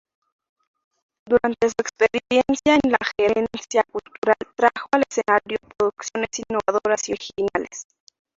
Durante su experiencia en la gerencia cultural trajo al escenario producciones innovadoras y originales.